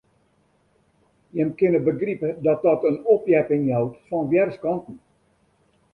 Jim kinne begripe dat dat in opheapping jout fan wjerskanten.